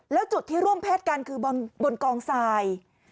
แล้วจุดที่ร่วมแพทย์กันคือบนกองทราย